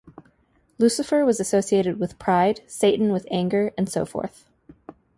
Lucifer was associated with Pride, Satan with Anger and so forth.